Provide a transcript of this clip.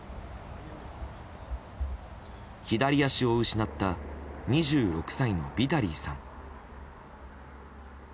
左足を失った２６歳のビタリーさん。